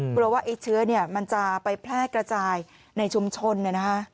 กลัวว่าไอ้เชื้อมันจะไปแพร่กระจายในชุมชนเนี่ยนะคะ